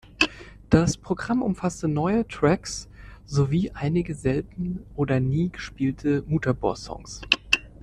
Das Programm umfasste neue Tracks sowie einige selten oder nie gespielte Mutabor-Songs.